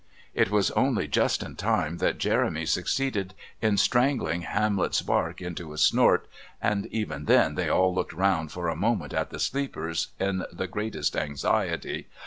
It was only just in time that Jeremy succeeded in strangling Hamlet's bark into a snort, and even then they all looked round for a moment at the sleepers in the greatest anxiety.